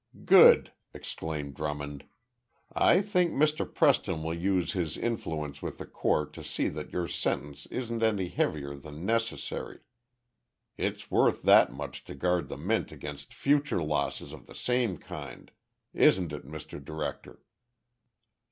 "Good!" exclaimed Drummond. "I think Mr. Preston will use his influence with the court to see that your sentence isn't any heavier than necessary. It's worth that much to guard the Mint against future losses of the same kind, isn't it, Mr. Director?"